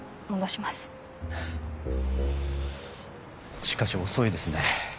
しかし遅いですね。